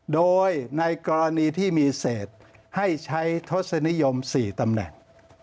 โดยในกรณีที่มีเศษให้ใช้ทศนิยม๔ตำแหน่ง